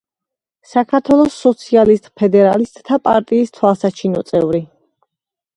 საქართველოს სოციალისტ-ფედერალისტთა პარტიის თვალსაჩინო წევრი.